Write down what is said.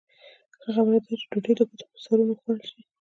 ښه خبره دا ده چې ډوډۍ د ګوتو په سرونو وخوړل شي.